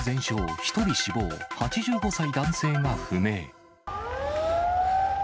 １人死亡、８５歳男性が不明。